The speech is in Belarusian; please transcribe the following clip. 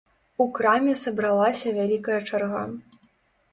У краме сабралася вялікая чарга.